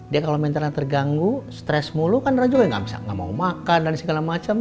dia kalau mentalnya terganggu stres mulu kan orang juga nggak mau makan dan segala macam